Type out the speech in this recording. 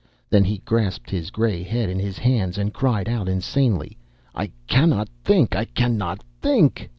Then he grasped his grey head in his hands and cried out insanely: "I cannot think! I cannot think!"